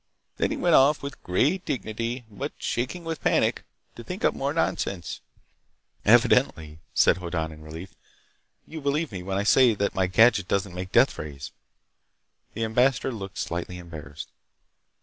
Then he went off with great dignity—but shaking with panic—to think up more nonsense." "Evidently," said Hoddan in relief, "you believe me when I say that my gadget doesn't make deathrays." The ambassador looked slightly embarrassed.